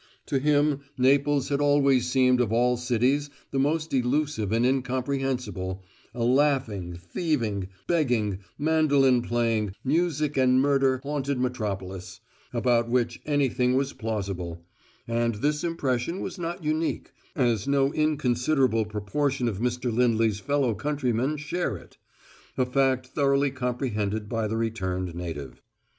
To him Naples had always seemed of all cities the most elusive and incomprehensible, a laughing, thieving, begging, mandolin playing, music and murder haunted metropolis, about which anything was plausible; and this impression was not unique, as no inconsiderable proportion of Mr. Lindley's fellow countrymen share it, a fact thoroughly comprehended by the returned native.